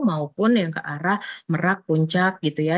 maupun yang ke arah merak puncak gitu ya